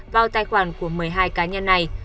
vào tài khoản của một mươi hai cá nhân này